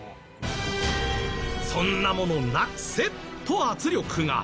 「そんなものなくせ！」と圧力が。